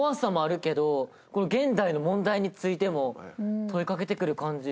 現代の問題についても問いかけてくる感じ